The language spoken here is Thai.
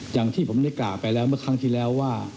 อย่างที่ผมได้กล่าวไปแล้วเมื่อครั้งที่แล้วว่า